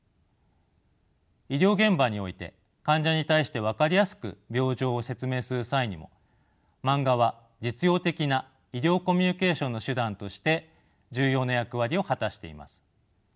医療現場において患者に対して分かりやすく病状を説明する際にもマンガは実用的な医療コミュニケーションの手段として重要な役割を果たしています。